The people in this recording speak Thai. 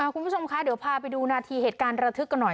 คุณผู้ชมคะเดี๋ยวพาไปดูนาทีเหตุการณ์ระทึกกันหน่อย